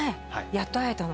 やっと会えたの？